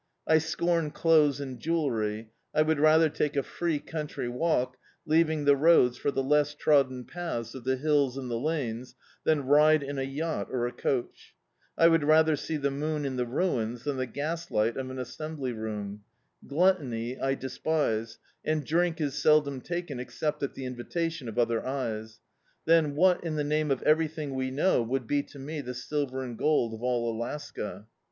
I scorn clotiies and jewellery; I would rather take a free country walk, leaving the roads for the less trodden paths of the hills and the lanes, than ride in a yacht or a coach; I would rather see the moon in the ruins than the gasli^t of an as sembly room; gluttony I despise, and drink Is seldom taken except at the invitation of other eyes: then what, in the name of everything we know, would be to me the silver and gold of all Alaska